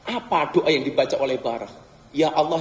apa doa yang terdengar archi ibn arltahar an nibin an nillam